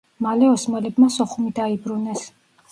მალე ოსმალებმა სოხუმი დაიბრუნეს.